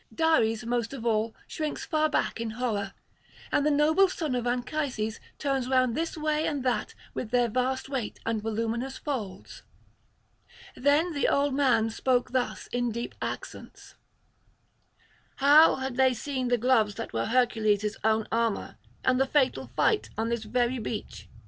Dares most of all shrinks far back in horror, and the noble son of Anchises turns round this way and that their vast weight and voluminous folds. Then the old man spoke thus in deep accents: 'How, had they seen the gloves [411 444]that were Hercules' own armour, and the fatal fight on this very beach?